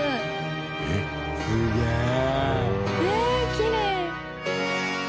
きれい。